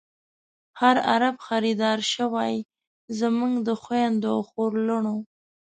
هر عرب خریدار شوۍ، زمونږ د خوندو او خور لڼو